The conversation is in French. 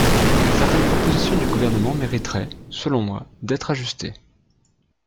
Certaines propositions du Gouvernement mériteraient, selon moi, d’être ajustées.